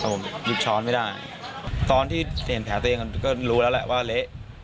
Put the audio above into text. ผมหยุดช้อนไม่ได้ตอนที่เห็นแผลตัวเองก็รู้แล้วแหละว่าเละ